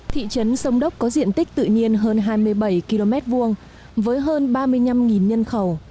thị trấn sông đốc có diện tích tự nhiên hơn hai mươi bảy km hai với hơn ba mươi năm nhân khẩu